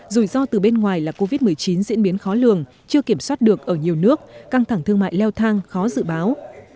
rủi ro từ bên ngoài là covid một mươi chín diễn biến khó lường chưa kiểm soát được ở nhiều nước căng thẳng thương mại leo thang khó dự báo